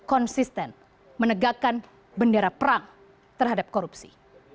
konsisten menegakkan bendera perang terhadap korupsi